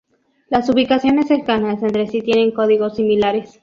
Las ubicaciones cercanas entre sí tienen códigos similares.